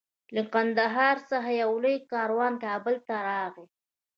له قندهار څخه یو لوی کاروان کابل ته راغی.